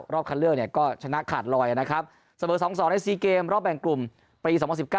คันเลือกเนี่ยก็ชนะขาดลอยนะครับเสมอ๒๒ใน๔เกมรอบแบ่งกลุ่มปี๒๐๑๙